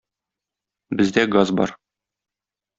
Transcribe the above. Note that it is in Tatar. Бездә газ бар.